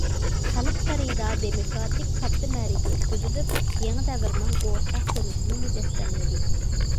خەلق سارىيىدا دېموكراتىك كاتتا مەرىكە ئۆتكۈزۈلۈپ، يېڭى دەۋرنىڭ ئورتاق تونۇشىنى مۇجەسسەملىدى.